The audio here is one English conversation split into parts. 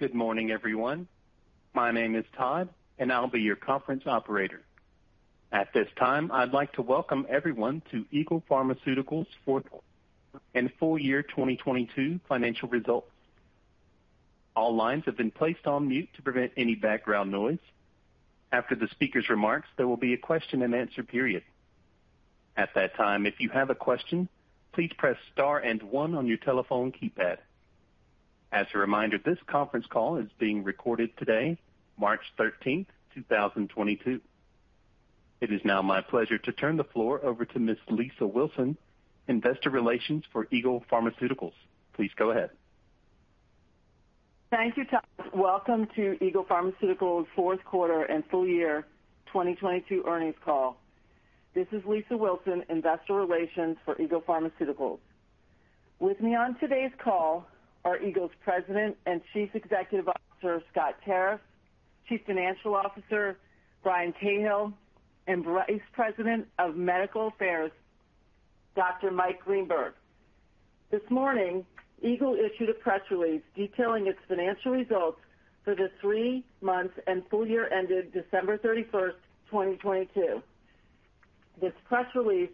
Good morning, everyone. My name is Todd, I'll be your conference operator. At this time, I'd like to welcome everyone to Eagle Pharmaceuticals fourth and full year 2022 financial results. All lines have been placed on mute to prevent any background noise. After the speaker's remarks, there will be a question-and-answer period. At that time, if you have a question, please press star and one on your telephone keypad. As a reminder, this conference call is being recorded today, March 13th, 2022. It is now my pleasure to turn the floor over to Miss Lisa Wilson, Investor Relations for Eagle Pharmaceuticals. Please go ahead. Thank you, Todd. Welcome to Eagle Pharmaceuticals fourth quarter and full year 2022 earnings call. This is Lisa Wilson, Investor Relations for Eagle Pharmaceuticals. With me on today's call are Eagle's President and Chief Executive Officer, Scott Tarriff, Chief Financial Officer, Brian Cahill, and Vice President of Medical Affairs, Dr. Mike Greenberg. This morning, Eagle issued a press release detailing its financial results for the three months and full year ended December 31, 2022. This press release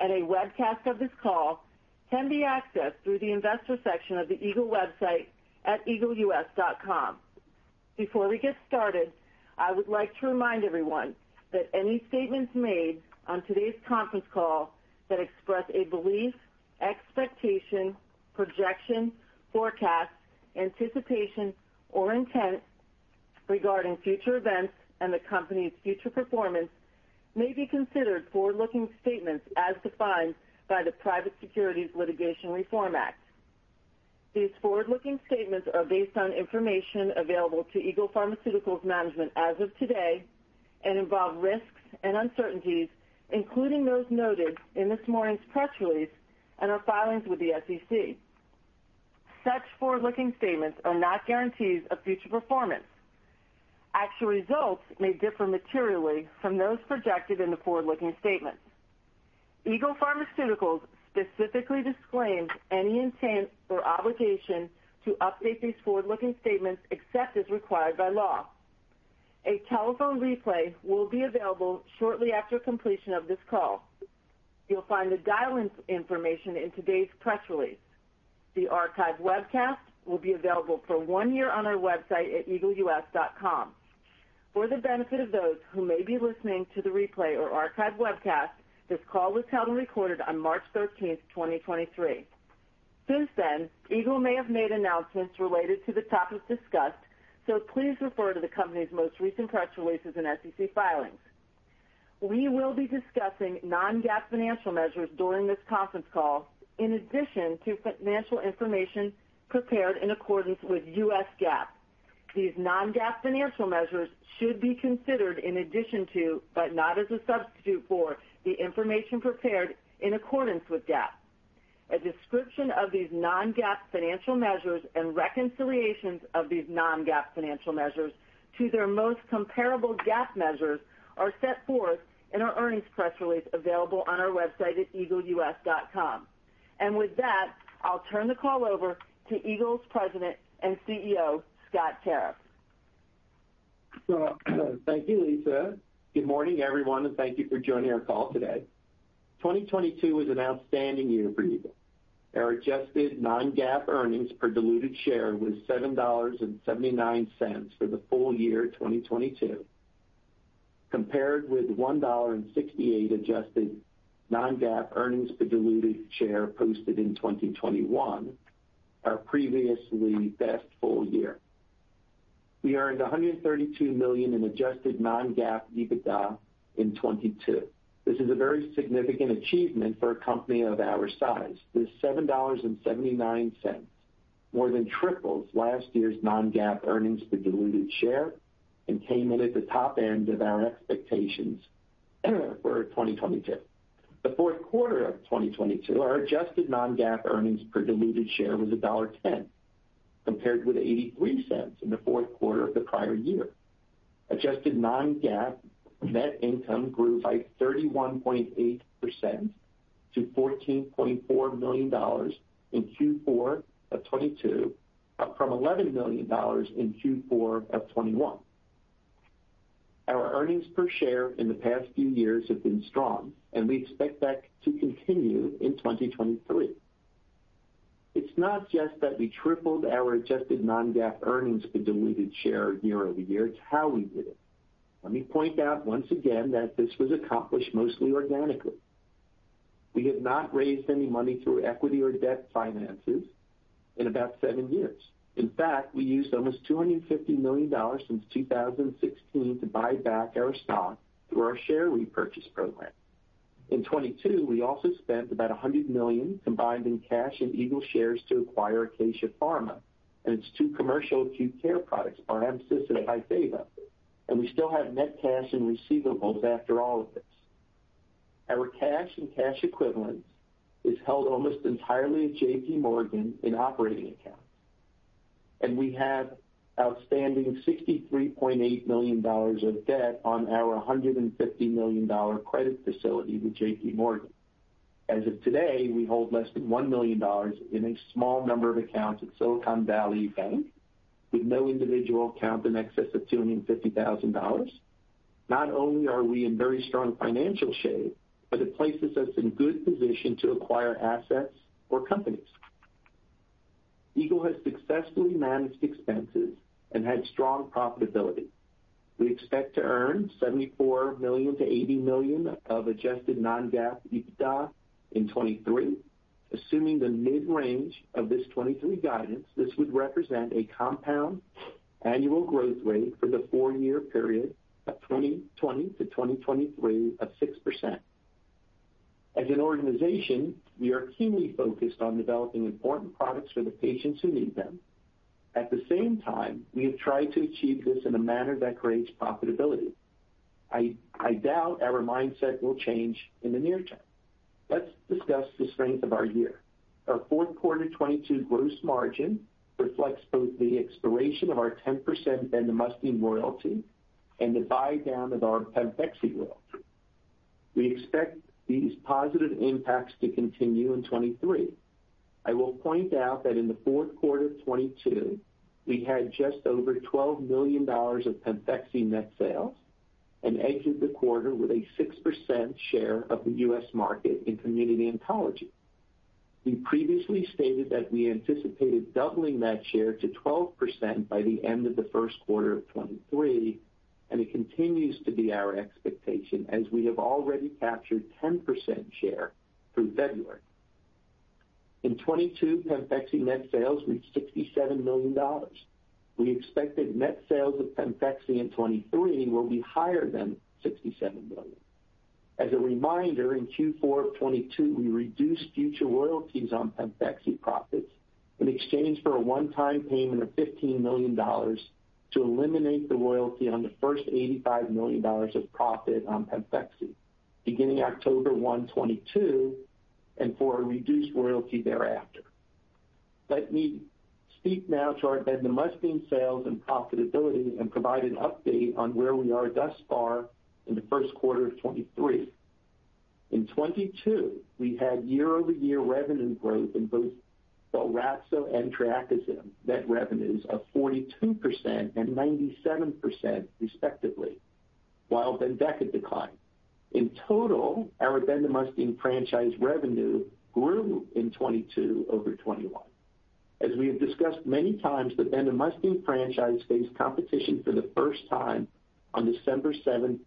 and a webcast of this call can be accessed through the investor section of the Eagle website at eagleus.com. Before we get started, I would like to remind everyone that any statements made on today's conference call that express a belief, expectation, projection, forecast, anticipation, or intent regarding future events and the company's future performance may be considered forward-looking statements as defined by the Private Securities Litigation Reform Act. These forward-looking statements are based on information available to Eagle Pharmaceuticals management as of today and involve risks and uncertainties, including those noted in this morning's press release and our filings with the SEC. Such forward-looking statements are not guarantees of future performance. Actual results may differ materially from those projected in the forward-looking statements. Eagle Pharmaceuticals specifically disclaims any intent or obligation to update these forward-looking statements except as required by law. A telephone replay will be available shortly after completion of this call. You'll find the dial-in information in today's press release. The archived webcast will be available for one year on our website at eagleus.com. For the benefit of those who may be listening to the replay or archived webcast, this call was held and recorded on March 13th, 2023. Since then, Eagle may have made announcements related to the topics discussed, so please refer to the company's most recent press releases and SEC filings. We will be discussing non-GAAP financial measures during this conference call in addition to financial information prepared in accordance with U.S. GAAP. These non-GAAP financial measures should be considered in addition to, but not as a substitute for, the information prepared in accordance with GAAP. A description of these non-GAAP financial measures and reconciliations of these non-GAAP financial measures to their most comparable GAAP measures are set forth in our earnings press release available on our website at eagleus.com. I'll turn the call over to Eagle's President and CEO, Scott Tarriff. Thank you, Lisa. Good morning, everyone, thank you for joining our call today. 2022 was an outstanding year for Eagle. Our adjusted non-GAAP earnings per diluted share was $7.79 for the full year 2022, compared with $1.68 adjusted non-GAAP earnings per diluted share posted in 2021, our previously best full year. We earned $132 million in adjusted non-GAAP EBITDA in 2022. This is a very significant achievement for a company of our size. This $7.79 more than triples last year's non-GAAP earnings per diluted share and came in at the top end of our expectations for 2022. The fourth quarter of 2022, our adjusted non-GAAP earnings per diluted share was $1.10, compared with $0.83 in the fourth quarter of the prior year. Adjusted non-GAAP net income grew by 31.8% to $14.4 million in Q4 of 2022, up from $11 million in Q4 of 2021. Our earnings per share in the past few years have been strong, and we expect that to continue in 2023. It's not just that we tripled our adjusted non-GAAP earnings per diluted share year-over-year, it's how we did it. Let me point out once again that this was accomplished mostly organically. We have not raised any money through equity or debt finances in about seven years. In fact, we used almost $250 million since 2016 to buy back our stock through our Share Repurchase Program. In 2022, we also spent about $100 million combined in cash and Eagle shares to acquire Acacia Pharma and its two commercial acute care products, BARHEMSYS and BYFAVO. We still have net cash and receivables after all of this. Our cash and cash equivalents is held almost entirely at JPMorgan in operating accounts, and we have outstanding $63.8 million of debt on our $150 million credit facility with JPMorgan. As of today, we hold less than $1 million in a small number of accounts at Silicon Valley Bank, with no individual account in excess of $250,000. Not only are we in very strong financial shape, but it places us in good position to acquire assets or companies. Eagle has successfully managed expenses and had strong profitability. We expect to earn $74 million-$80 million of adjusted non-GAAP EBITDA in 2023. Assuming the mid-range of this 2023 guidance, this would represent a compound annual growth rate for the four-year period of 2020 to 2023 of 6%. As an organization, we are keenly focused on developing important products for the patients who need them. At the same time, we have tried to achieve this in a manner that creates profitability. I doubt our mindset will change in the near term. Let's discuss the strength of our year. Our fourth quarter 2022 gross margin reflects both the expiration of our 10% bendamustine royalty and the buydown of our PEMFEXY royalty. We expect these positive impacts to continue in 2023. I will point out that in the fourth quarter of 2022, we had just over $12 million of PEMFEXY net sales and exited the quarter with a 6% share of the U.S. market in community oncology. We previously stated that we anticipated doubling that share to 12% by the end of the first quarter of 2023, and it continues to be our expectation as we have already captured 10% share through February. In 2022, PEMFEXY net sales reached $67 million. We expected net sales of PEMFEXY in 2023 will be higher than $67 million. As a reminder, in Q4 of 2022, we reduced future royalties on PEMFEXY profits in exchange for a one-time payment of $15 million to eliminate the royalty on the first $85 million of profit on PEMFEXY beginning October 1, 2022, and for a reduced royalty thereafter. Let me speak now to our bendamustine sales and profitability and provide an update on where we are thus far in the first quarter of 2023. In 2022, we had year-over-year revenue growth in both BELRAPZO and TREAKISYM net revenues of 42% and 97% respectively, while BENDEKA declined. In total, our bendamustine franchise revenue grew in 2022 over 2021. As we have discussed many times, the bendamustine franchise faced competition for the first time on December 7,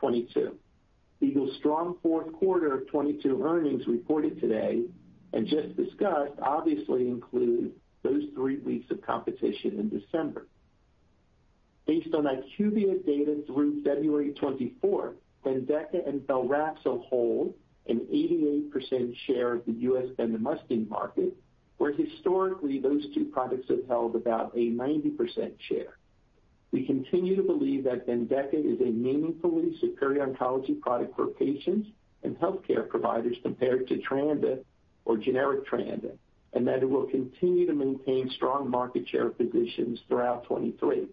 2022. Eagle's strong fourth quarter of 2022 earnings reported today, and just discussed, obviously include those three weeks of competition in December. Based on IQVIA data through February 24, BENDEKA and BELRAPZO hold an 88% share of the U.S. bendamustine market, where historically those two products have held about a 90% share. We continue to believe that BENDEKA is a meaningfully superior oncology product for patients and healthcare providers compared to TREANDA or generic TREANDA, and that it will continue to maintain strong market share positions throughout 2023.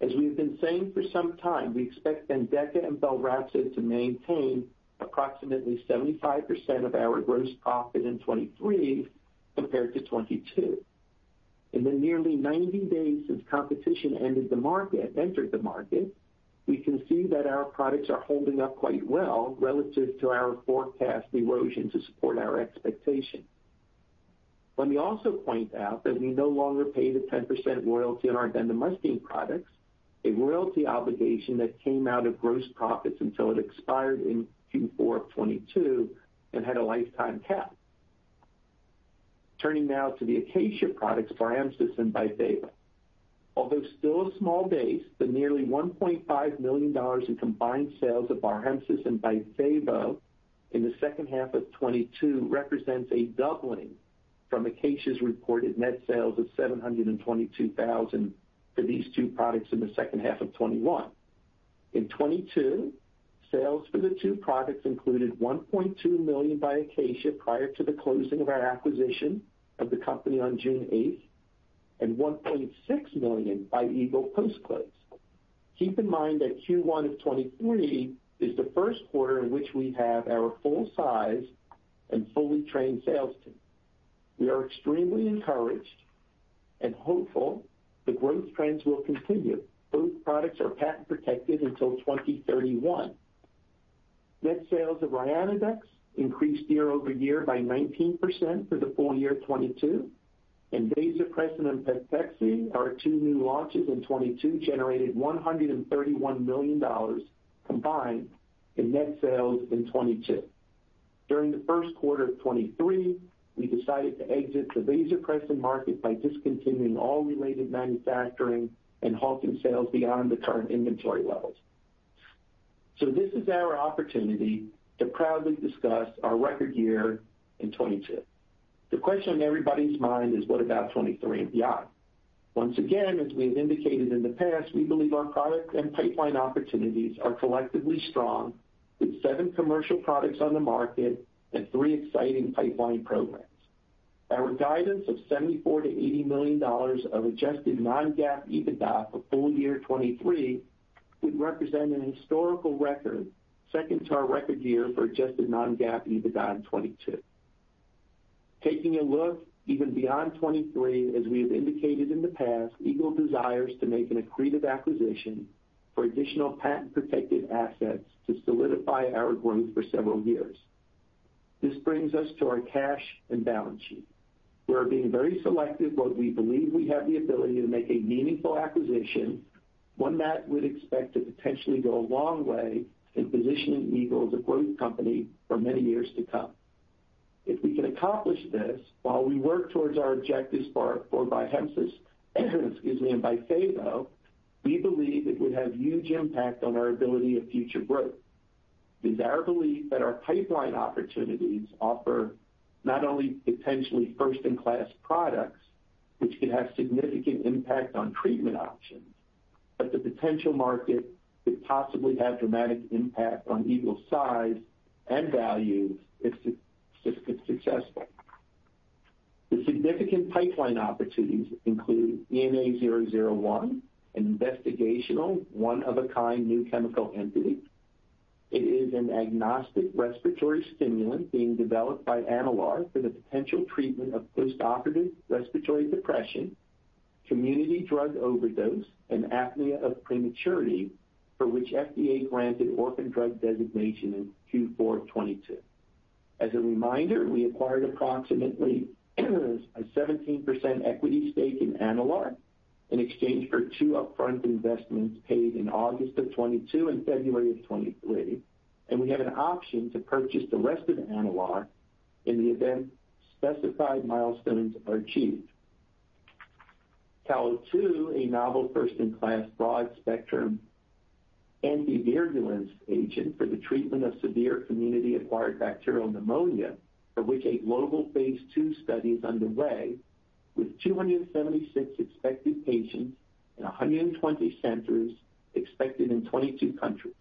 As we have been saying for some time, we expect BENDEKA and BELRAPZO to maintain approximately 75% of our gross profit in 2023 compared to 2022. In the nearly 90 days since competition entered the market, we can see that our products are holding up quite well relative to our forecast erosion to support our expectations. Let me also point out that we no longer pay the 10% royalty on our bendamustine products, a royalty obligation that came out of gross profits until it expired in Q4 of 2022 and had a lifetime cap. Turning now to the Acacia products, BARHEMSYS and BYFAVO. Although still a small base, the nearly $1.5 million in combined sales of BARHEMSYS and BYFAVO in the second half of 2022 represents a doubling from Acacia's reported net sales of $722,000 for these two products in the second half of 2021. In 2022, sales for the two products included $1.2 million by Acacia prior to the closing of our acquisition of the company on June 8th, and $1.6 million by Eagle post-close. Keep in mind that Q1 of 2023 is the first quarter in which we have our full size and fully trained sales team. We are extremely encouraged and hopeful the growth trends will continue. Both products are patent protected until 2031. Net sales of RYANODEX increased year-over-year by 19% for the full year of 2022. Vasopressin and PEMFEXY, our two new launches in 2022, generated $131 million combined in net sales in 2022. During the first quarter of 2023, we decided to exit the vasopressin market by discontinuing all related manufacturing and halting sales beyond the current inventory levels. This is our opportunity to proudly discuss our record year in 2022. The question on everybody's mind is what about 2023 and beyond? Once again, as we have indicated in the past, we believe our product and pipeline opportunities are collectively strong with seven commercial products on the market and three exciting pipeline programs. Our guidance of $74 million-$80 million of adjusted non-GAAP EBITDA for full year 2023 would represent an historical record second to our record year for adjusted non-GAAP EBITDA in 2022. Taking a look even beyond 2023, as we have indicated in the past, Eagle desires to make an accretive acquisition for additional patent-protected assets to solidify our growth for several years. This brings us to our cash and balance sheet. We are being very selective, but we believe we have the ability to make a meaningful acquisition, one that we'd expect to potentially go a long way in positioning Eagle as a growth company for many years to come. If we can accomplish this while we work towards our objectives for BARHEMSYS, excuse me, and BYFAVO, we believe it would have huge impact on our ability of future growth. It is our belief that our pipeline opportunities offer not only potentially first-in-class products, which could have significant impact on treatment options, but the potential market could possibly have dramatic impact on Eagle's size and value if successful. The significant pipeline opportunities include ENA-001, an investigational one-of-a-kind new chemical entity. It is an agnostic respiratory stimulant being developed by Enalare Therapeutics for the potential treatment of postoperative respiratory depression, community drug overdose, and apnea of prematurity, for which FDA granted orphan drug designation in Q4 2022. As a reminder, we acquired approximately a 17% equity stake in Enalare in exchange for two upfront investments paid in August of 2022 and February of 2023. We have an option to purchase the rest of Enalare in the event specified milestones are achieved. CAL02, a novel first-in-class broad-spectrum anti-virulence agent for the treatment of severe community-acquired bacterial pneumonia, for which a global phase II study is underway with 276 expected patients and 120 centers expected in 22 countries.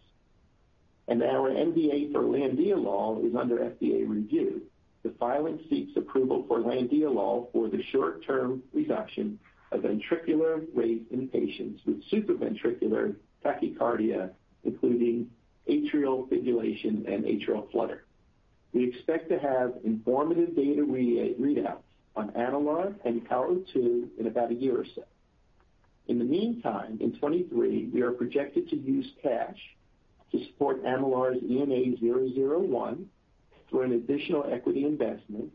Our NDA for landiolol is under FDA review. The filing seeks approval for landiolol for the short-term reduction of ventricular rate in patients with supraventricular tachycardia, including atrial fibrillation and atrial flutter. We expect to have informative data re-readouts on Enalare and CAL02 in about a year or so. In the meantime, in 2023, we are projected to use cash to support Enalare's ENA-001 through an additional equity investment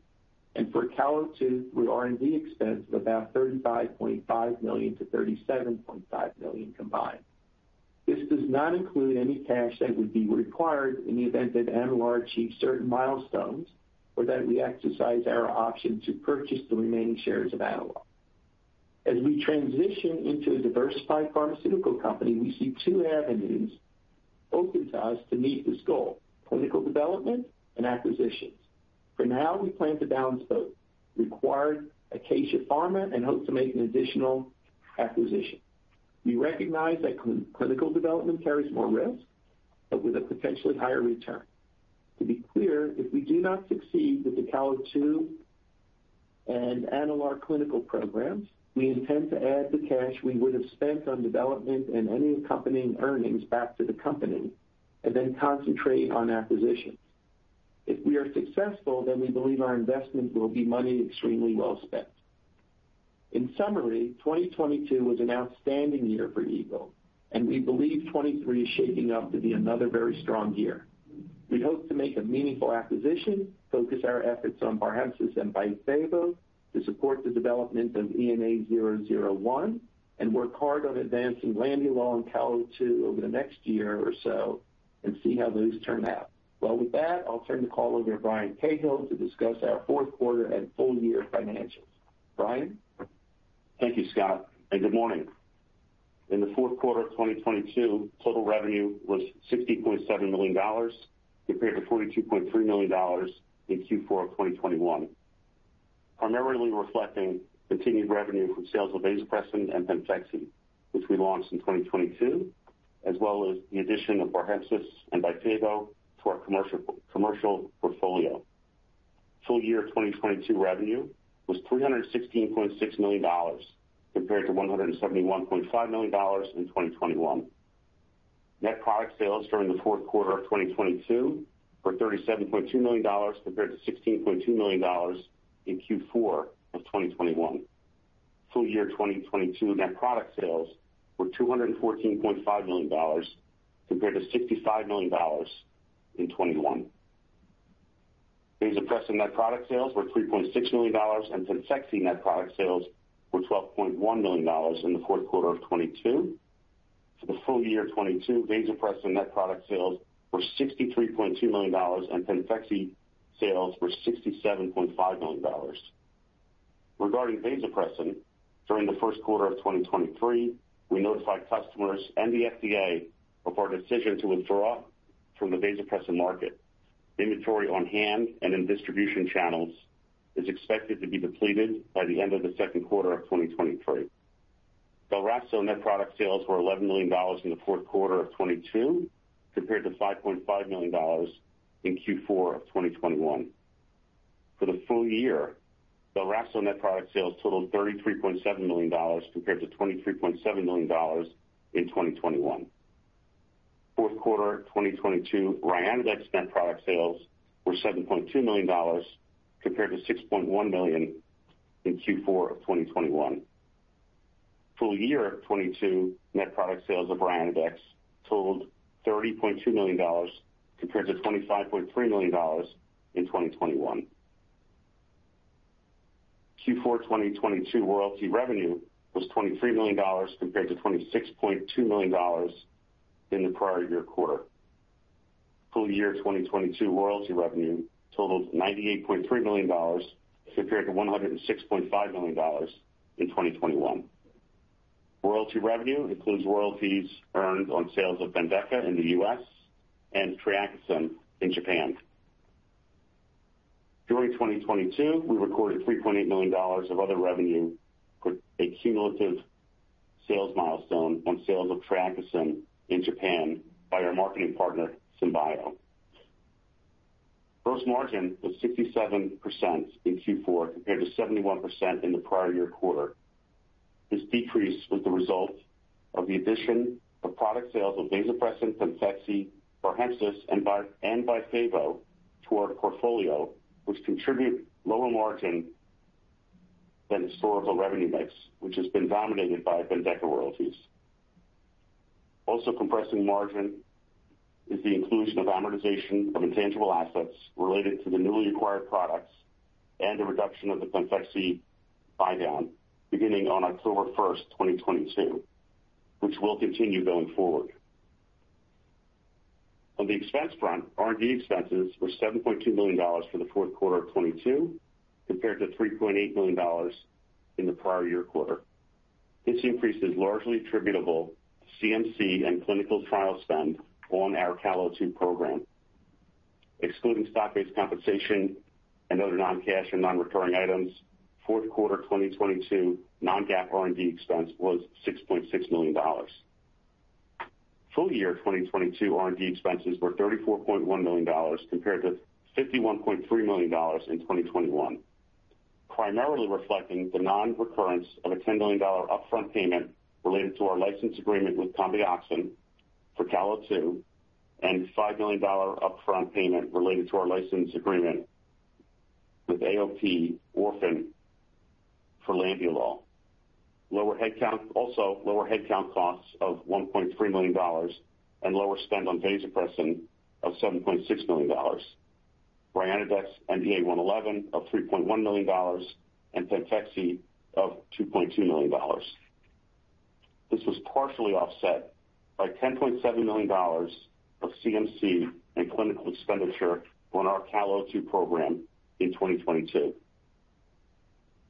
and for CAL02 through R&D expense of about $35.5 million-$37.5 million combined. This does not include any cash that would be required in the event that Enalare achieves certain milestones or that we exercise our option to purchase the remaining shares of Enalare. As we transition into a diversified pharmaceutical company, we see two avenues open to us to meet this goal, clinical development and acquisitions. For now, we plan to balance both, acquire Acacia Pharma and hope to make an additional acquisition. We recognize that clinical development carries more risk, but with a potentially higher return. To be clear, if we do not succeed with the CAL02 and Enalare clinical programs, we intend to add the cash we would have spent on development and any accompanying earnings back to the company and then concentrate on acquisitions. If we are successful, we believe our investments will be money extremely well spent. In summary, 2022 was an outstanding year for Eagle, and we believe 2023 is shaping up to be another very strong year. We hope to make a meaningful acquisition, focus our efforts on BARHEMSYS and BYFAVO to support the development of ENA-001, and work hard on advancing landiolol and CAL02 over the next year or so and see how those turn out. Well, with that, I'll turn the call over to Brian Cahill to discuss our fourth quarter and full year financials. Brian? Thank you, Scott. Good morning. In the fourth quarter of 2022, total revenue was $60.7 million compared to $42.3 million in Q4 of 2021. Primarily reflecting continued revenue from sales of vasopressin and PEMFEXY, which we launched in 2022, as well as the addition of BARHEMSYS and BYFAVO to our commercial portfolio. Full year 2022 revenue was $316.6 million compared to $171.5 million in 2021. Net product sales during the fourth quarter of 2022 were $37.2 million compared to $16.2 million in Q4 of 2021. Full year 2022 net product sales were $214.5 million compared to $65 million in 2021. Vasopressin net product sales were $3.6 million, and PEMFEXY net product sales were $12.1 million in the fourth quarter of 2022. For the full year of 2022, vasopressin net product sales were $63.2 million, and PEMFEXY sales were $67.5 million. Regarding vasopressin, during the first quarter of 2023, we notified customers and the FDA of our decision to withdraw from the vasopressin market. Inventory on hand and in distribution channels is expected to be depleted by the end of the second quarter of 2023. BELRAPZO net product sales were $11 million in the fourth quarter of 2022, compared to $5.5 million in Q4 of 2021. For the full year, BELRAPZO net product sales totaled $33.7 million compared to $23.7 million in 2021. Fourth quarter 2022, RYANODEX net product sales were $7.2 million compared to $6.1 million in Q4 of 2021. Full year 2022, net product sales of RYANODEX totaled $30.2 million compared to $25.3 million in 2021. Q4 2022 royalty revenue was $23 million compared to $26.2 million in the prior year quarter. Full year 2022 royalty revenue totaled $98.3 million compared to $106.5 million in 2021. Royalty revenue includes royalties earned on sales of BENDEKA in the U.S. and TREAKISYM in Japan. During 2022, we recorded $3.8 million of other revenue for a cumulative sales milestone on sales of TREAKISYM in Japan by our marketing partner, SymBio. Gross margin was 67% in Q4 compared to 71% in the prior year quarter. This decrease was the result of the addition of product sales of vasopressin, PEMFEXY, BARHEMSYS, and BYFAVO to our portfolio, which contribute lower margin than historical revenue mix, which has been dominated by BENDEKA royalties. Compressing margin is the inclusion of amortization of intangible assets related to the newly acquired products and the reduction of the PEMFEXY buydown beginning on October 1st, 2022, which will continue going forward. On the expense front, R&D expenses were $7.2 million for the fourth quarter of 2022 compared to $3.8 million in the prior year quarter. This increase is largely attributable to CMC and clinical trial spend on our CAL02 program. Excluding stock-based compensation and other non-cash and non-recurring items, fourth quarter, 2022 non-GAAP R&D expense was $6.6 million. Full year 2022 R&D expenses were $34.1 million compared to $51.3 million in 2021, primarily reflecting the non-recurrence of a $10 million upfront payment related to our license agreement with Combioxin for CAL02 and $5 million upfront payment related to our license agreement with AOP Orphan for landiolol. Lower headcount costs of $1.3 million and lower spend on vasopressin of $7.6 million. RYANODEX NDA Article 11 of $3.1 million and PEMFEXY of $2.2 million. This was partially offset by $10.7 million of CMC and clinical expenditure on our CAL02 program in 2022.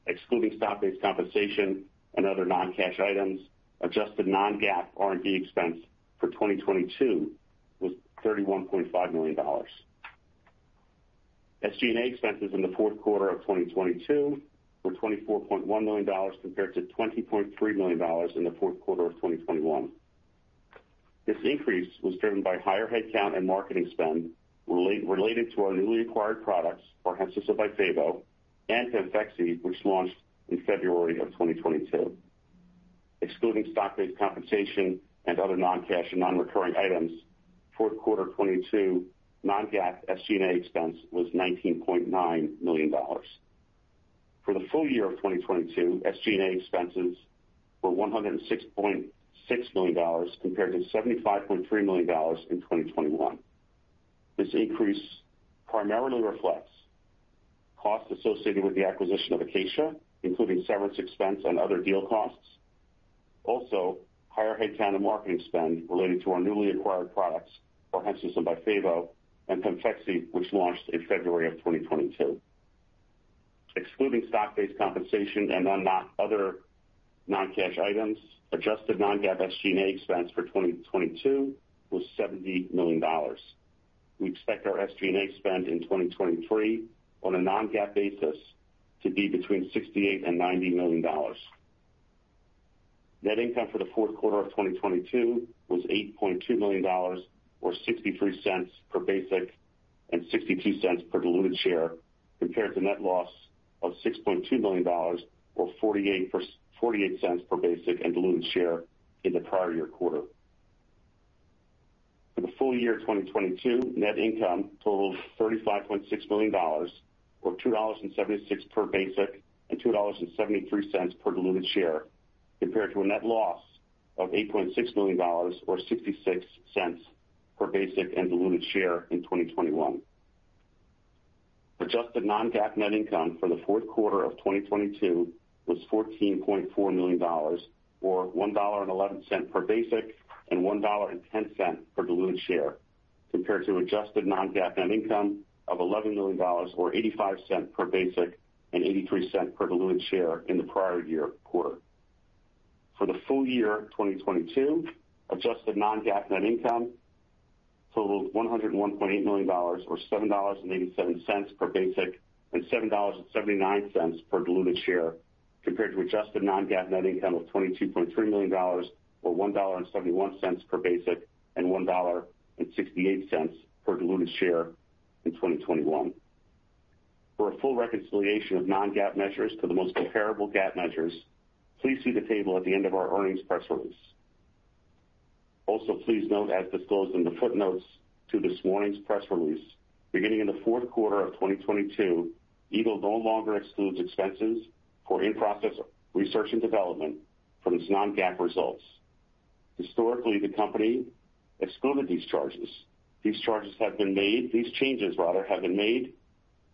Excluding stock-based compensation and other non-cash items, adjusted non-GAAP R&D expense for 2022 was $31.5 million. SG&A expenses in the fourth quarter of 2022 were $24.1 million compared to $20.3 million in the fourth quarter of 2021. This increase was driven by higher headcount and marketing spend related to our newly acquired products, BARHEMSYS and BYFAVO, and PEMFEXY, which launched in February of 2022. Excluding stock-based compensation and other non-cash and non-recurring items, fourth quarter 2022 non-GAAP SG&A expense was $19.9 million. For the full year of 2022, SG&A expenses were $106.6 million compared to $75.3 million in 2021. This increase primarily reflects costs associated with the acquisition of Acacia, including severance expense and other deal costs. Higher headcount and marketing spend related to our newly acquired products, BARHEMSYS and BYFAVO, and PEMFEXY, which launched in February of 2022. Excluding stock-based compensation and other non-cash items, adjusted non-GAAP SG&A expense for 2022 was $70 million. We expect our SG&A spend in 2023 on a non-GAAP basis to be between $68 million and $90 million. Net income for the fourth quarter of 2022 was $8.2 million or $0.63 per basic and $0.62 per diluted share, compared to net loss of $6.2 million or $0.48 per basic and diluted share in the prior year quarter. For the full year 2022, net income totaled $35.6 million or $2.76 per basic and $2.73 per diluted share, compared to a net loss of $8.6 million or $0.66 per basic and diluted share in 2021. Adjusted non-GAAP net income for the fourth quarter of 2022 was $14.4 million or $1.11 per basic and $1.10 per diluted share, compared to adjusted non-GAAP net income of $11 million or $0.85 per basic and $0.83 per diluted share in the prior year quarter. For the full year 2022, adjusted non-GAAP net income total of $101.8 million or $7.87 per basic and $7.79 per diluted share, compared to adjusted non-GAAP net income of $22.3 million or $1.71 per basic and $1.68 per diluted share in 2021. For a full reconciliation of non-GAAP measures to the most comparable GAAP measures, please see the table at the end of our earnings press release. Please note, as disclosed in the footnotes to this morning's press release, beginning in the fourth quarter of 2022, Eagle no longer excludes expenses for in-process research and development from its non-GAAP results. Historically, the company excluded these charges. These changes rather, have been made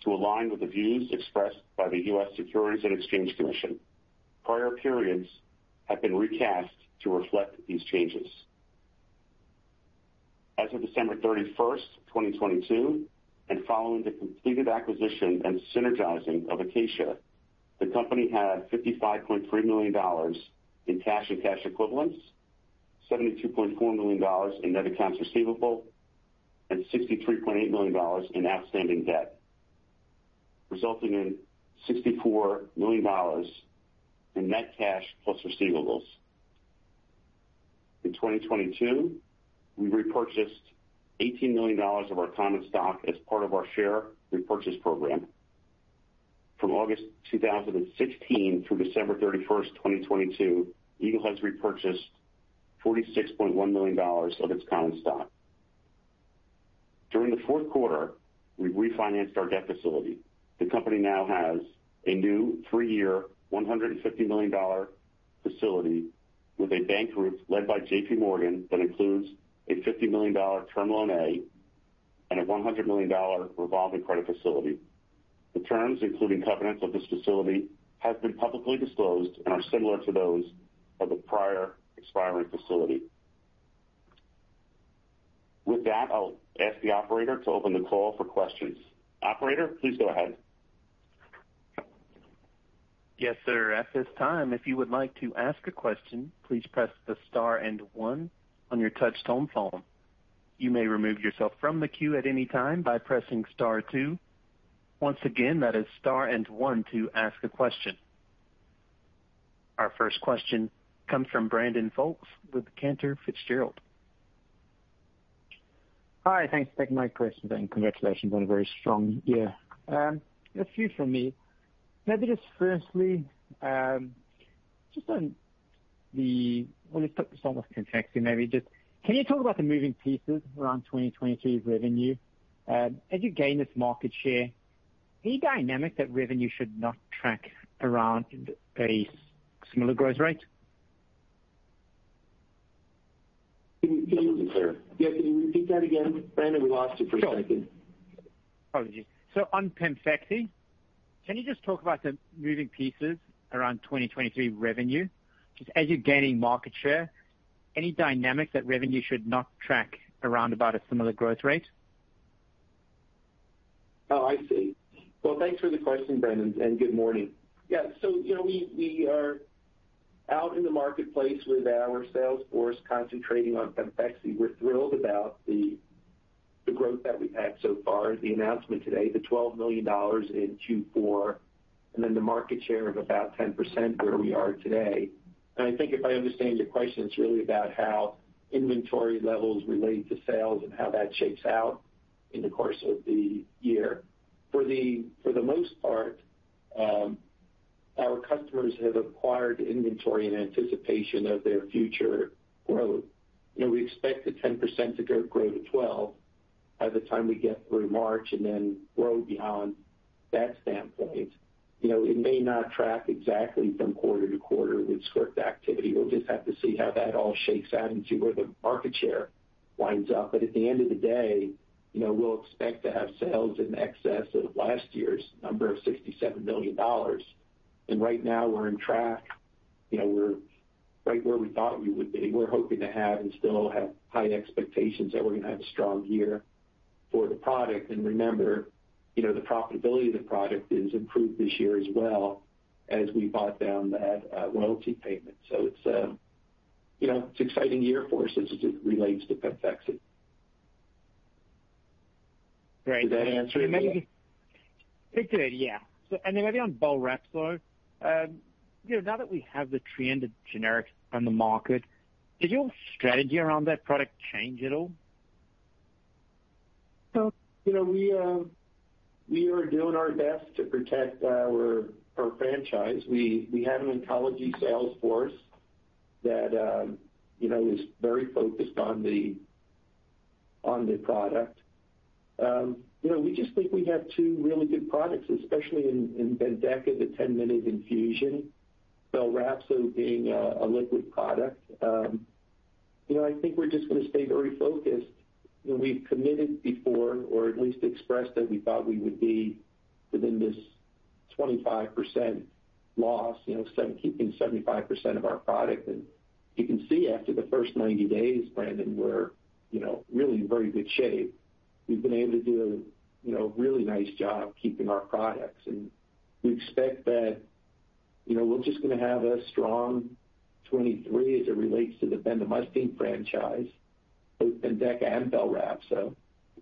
to align with the views expressed by the U.S. Securities and Exchange Commission. Prior periods have been recast to reflect these changes. Following the completed acquisition and synergizing of Acacia, the company had $55.3 million in cash and cash equivalents, $72.4 million in net accounts receivable, and $63.8 million in outstanding debt, resulting in $64 million in net cash plus receivables. In 2022, we repurchased $18 million of our common stock as part of our Share Repurchase Program from August 2016 through December 31st, 2022, Eagle has repurchased $46.1 million of its common stock. During the fourth quarter, we refinanced our debt facility. The company now has a new three-year, $150 million facility with a bank group led by JPMorgan that includes a $50 million Term Loan A and a $100 million revolving credit facility. The terms, including covenants of this facility, have been publicly disclosed and are similar to those of the prior expiring facility. With that, I'll ask the operator to open the call for questions. Operator, please go ahead. Yes, sir. At this time, if you would like to ask a question, please press the star and one on your touch-tone phone. You may remove yourself from the queue at any time by pressing star two. Once again, that is star and one to ask a question. Our first question comes from Brandon Folkes with Cantor Fitzgerald. Hi, thanks for taking my question, and congratulations on a very strong year. A few from me. Maybe just firstly, let's talk just on PEMFEXY, maybe just can you talk about the moving pieces around 2023 revenue? As you gain this market share, any dynamic that revenue should not track around a similar growth rate? Sorry, sir. Yeah, can you repeat that again? Brandon, we lost you for a second. Sure. Apologies. On PEMFEXY, can you just talk about the moving pieces around 2023 revenue? Just as you're gaining market share, any dynamic that revenue should not track around about a similar growth rate? I see. Well, thanks for the question, Brandon. Good morning. Yeah. You know, we are out in the marketplace with our sales force concentrating on PEMFEXY. We're thrilled about the growth that we've had so far. The announcement today, the $12 million in Q4, the market share of about 10% where we are today. I think if I understand your question, it's really about how inventory levels relate to sales and how that shakes out in the course of the year. For the most part, our customers have acquired inventory in anticipation of their future growth. You know, we expect the 10% to grow to 12% by the time we get through March, grow beyond that standpoint. You know, it may not track exactly from quarter to quarter with script activity. We'll just have to see how that all shakes out and see where the market share winds up. At the end of the day, you know, we'll expect to have sales in excess of last year's number of $67 million. Right now, we're on track. You know, we're right where we thought we would be. We're hoping to have and still have high expectations that we're going to have a strong year for the product. Remember, you know, the profitability of the product is improved this year as well as we bought down that royalty payment. It's, you know, it's exciting year for us as it relates to PEMFEXY. Great. Did that answer? It did, yeah. And then maybe on BELRAPZO. you know, now that we have the TREANDA generics on the market, did your strategy around that product change at all? You know, we are doing our best to protect our franchise. We have an oncology sales force that, you know, is very focused on the product. You know, we just think we have two really good products, especially in BENDEKA, the 10-minute infusion, BELRAPZO being a liquid product. You know, I think we're just gonna stay very focused. You know, we've committed before or at least expressed that we thought we would be within this 25% loss, you know, keeping 75% of our product. You can see after the first 90 days, Brandon, we're, you know, really in very good shape. We've been able to do a, you know, really nice job keeping our products, and we expect that. You know, we're just gonna have a strong 2023 as it relates to the bendamustine franchise, both BENDEKA and BELRAPZO.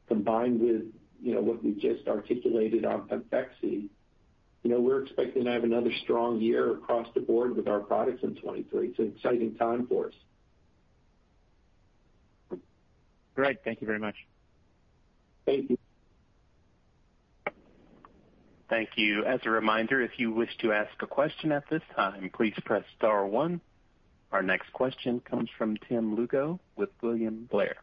Combined with, you know, what we just articulated on PEMFEXY, you know, we're expecting to have another strong year across the board with our products in 2023. It's an exciting time for us. Great. Thank you very much. Thank you. Thank you. As a reminder, if you wish to ask a question at this time, please press star one. Our next question comes from Tim Lugo with William Blair.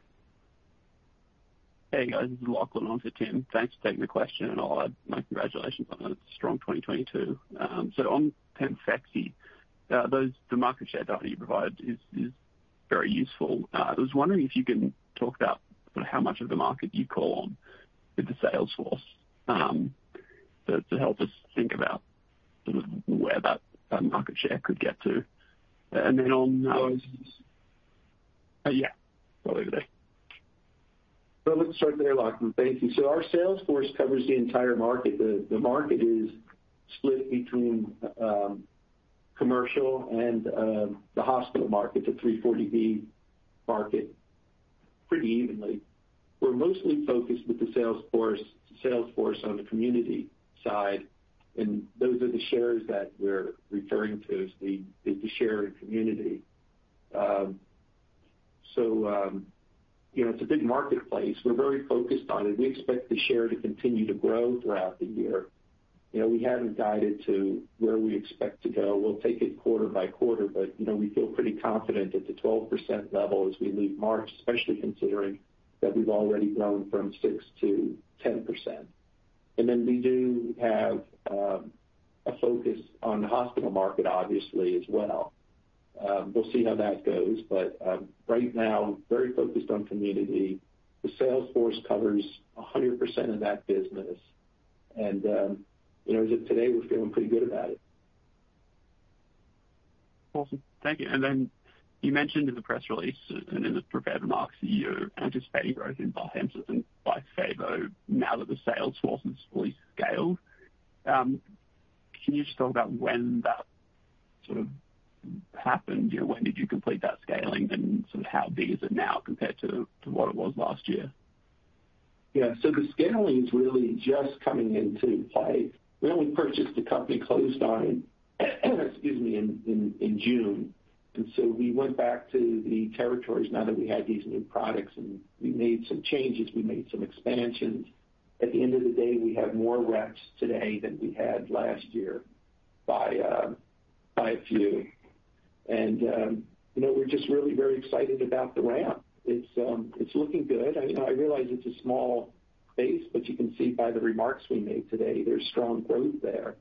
Hey, guys. This is Lachlan on for Tim. Thanks for taking the question, and I'll add my congratulations on a strong 2022. On PEMFEXY, the market share data you provided is very useful. I was wondering if you can talk about sort of how much of the market you call on with the sales force, to help us think about sort of where that market share could get to? [Yeah. Over to you.] Well, let's start there, Lachlan. Thank you. Our sales force covers the entire market. The market is split between commercial and the hospital market, the 340B market, pretty evenly. We're mostly focused with the sales force on the community side, and those are the shares that we're referring to as the share in community. You know, it's a big marketplace. We're very focused on it. We expect the share to continue to grow throughout the year. You know, we haven't guided to where we expect to go. We'll take it quarter by quarter, you know, we feel pretty confident at the 12% level as we leave March, especially considering that we've already grown from 6%-10%. We do have a focus on the hospital market obviously as well. We'll see how that goes. Right now, very focused on community. The sales force covers 100% of that business. You know, as of today, we're feeling pretty good about it. Awesome. Thank you. You mentioned in the press release and in the prepared remarks that you're anticipating growth in BENDEKA and BYFAVO now that the sales force is fully scaled. Can you just talk about when that sort of happened? You know, when did you complete that scaling, and sort of how big is it now compared to what it was last year? Yeah. The scaling is really just coming into play. We only purchased the company closed on, excuse me, in June. We went back to the territories now that we had these new products, and we made some changes. We made some expansions. At the end of the day, we have more reps today than we had last year by a few. You know, we're just really very excited about the ramp. It's looking good. I realize it's a small base, but you can see by the remarks we made today, there's strong growth there.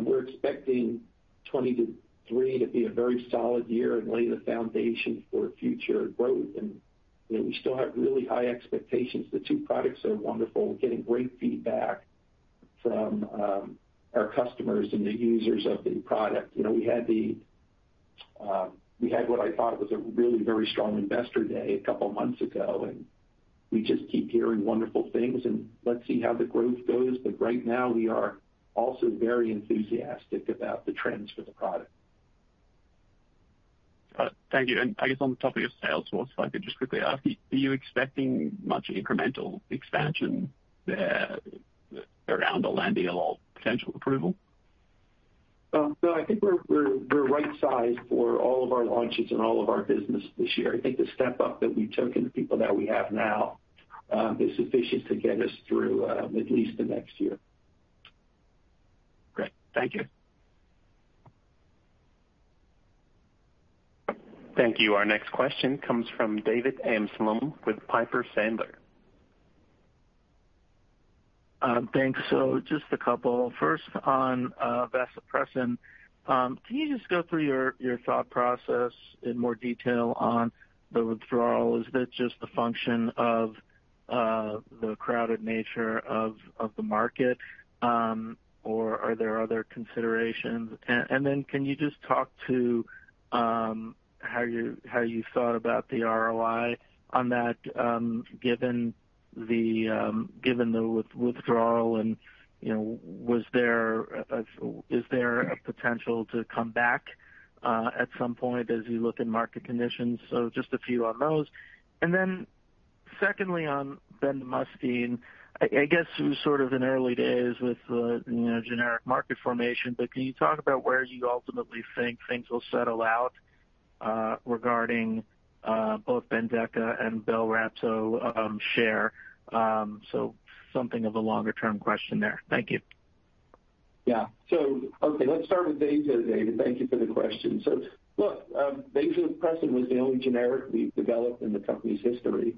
We're expecting 2023 to be a very solid year and lay the foundation for future growth. You know, we still have really high expectations. The two products are wonderful. We're getting great feedback from our customers and the users of the product. You know, we had what I thought was a really very strong investor day a couple months ago, and we just keep hearing wonderful things, and let's see how the growth goes. Right now, we are also very enthusiastic about the trends for the product. Thank you. I guess on the topic of sales force, if I could just quickly ask, are you expecting much incremental expansion there around the landing of potential approval? I think we're right-sized for all of our launches and all of our business this year. I think the step up that we've took and the people that we have now, is sufficient to get us through, at least the next year. Great. Thank you. Thank you. Our next question comes from David Amsellem with Piper Sandler. Thanks. Just a couple. First, on vasopressin, can you just go through your thought process in more detail on the withdrawal? Is that just a function of the crowded nature of the market, or are there other considerations? And then can you just talk to how you thought about the ROI on that, given the withdrawal and, you know, is there a potential to come back at some point as you look in market conditions? Just a few on those. And then secondly, on bendamustine, I guess it was sort of in early days with the, you know, generic market formation, but can you talk about where you ultimately think things will settle out regarding both BENDEKA and BELRAPZO share? Something of a longer term question there. Thank you. Yeah. Okay, let's start with vasopressin. Thank you for the question. vasopressin was the only generic we've developed in the company's history.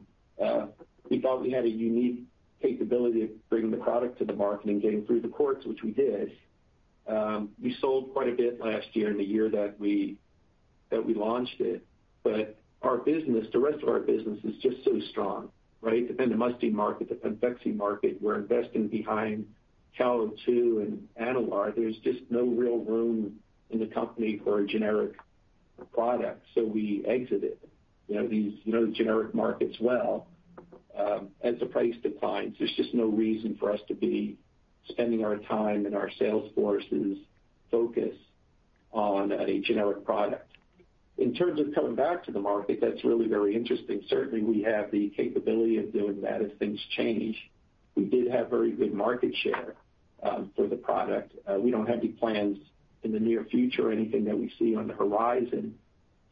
We thought we had a unique capability of bringing the product to the market and getting through the courts, which we did. We sold quite a bit last year and the year that we launched it. The rest of our business is just so strong, right? The bendamustine market, the PEMFEXY market, we're investing behind CAL02 and Enalare. There's just no real room in the company for a generic product, so we exited. You know the generic markets well. As the price declines, there's just no reason for us to be spending our time and our salesforce's focus on a generic product. In terms of coming back to the market, that's really very interesting. Certainly, we have the capability of doing that as things change. We did have very good market share for the product. We don't have any plans in the near future or anything that we see on the horizon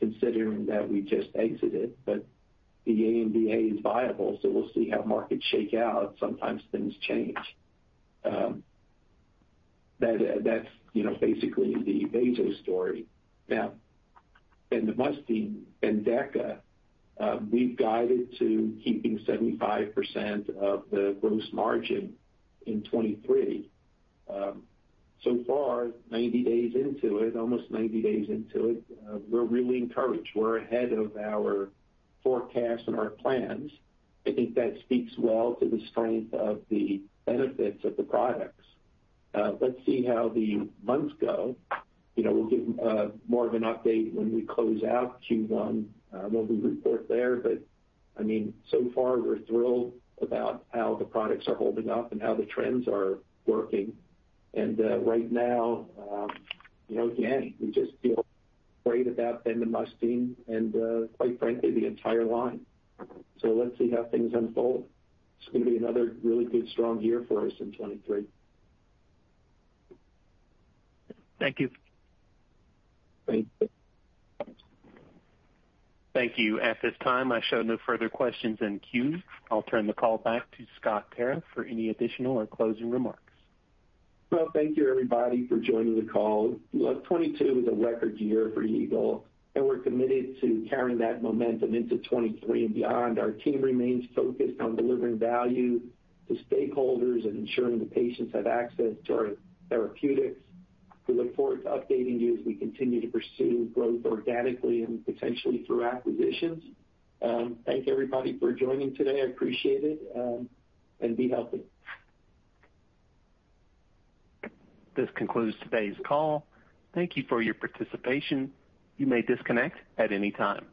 considering that we just exited. The MVA is viable, so we'll see how markets shake out. Sometimes things change. That's, you know, basically the vasopressin story. Bendamustine, BENDEKA, we've guided to keeping 75% of the gross margin in 2023. So far, 90 days into it, almost 90 days into it, we're really encouraged. We're ahead of our forecast and our plans. I think that speaks well to the strength of the benefits of the products. Let's see how the months go. You know, we'll give more of an update when we close out Q1 when we report there. I mean, so far, we're thrilled about how the products are holding up and how the trends are working. Right now, you know, again, we just feel great about bendamustine and, quite frankly, the entire line. Let's see how things unfold. It's gonna be another really good, strong year for us in 2023. Thank you. Thank you. Thank you. At this time, I show no further questions in queue. I'll turn the call back to Scott Tarriff for any additional or closing remarks. Well, thank you everybody for joining the call. Look, 2022 was a record year for Eagle, and we're committed to carrying that momentum into 2023 and beyond. Our team remains focused on delivering value to stakeholders and ensuring the patients have access to our therapeutics. We look forward to updating you as we continue to pursue growth organically and potentially through acquisitions. thank everybody for joining today. I appreciate it, and be healthy. This concludes today's call. Thank you for your participation. You may disconnect at any time.